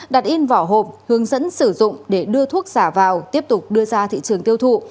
đặt in vỏ hộp hướng dẫn sử dụng để đưa thuốc giả vào tiếp tục đưa ra thị trường tiêu thụ